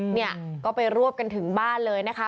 เนี่ยก็ไปรวบกันถึงบ้านเลยนะคะ